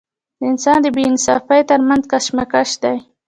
د انسان د بې انصافۍ تر منځ کشمکش دی.